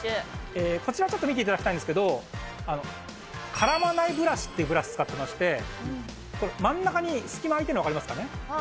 こちら特に見ていただきたいんですけど、からまないブラシっていうブラシ使ってまして、これ真ん中に隙間開いてるの分かりますかね？